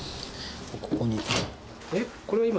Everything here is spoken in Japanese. ここに。